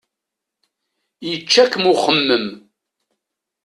Yečča-kem uxemmem.